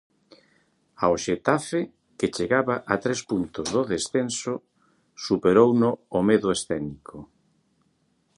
Ao Xetafe, que chegaba a tres puntos do descenso, superouno o medo escénico.